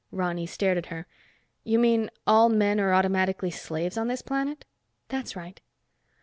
Ronny stared at her. "You mean all men are automatically slaves on this planet?" "That's right."